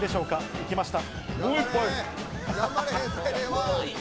いきました。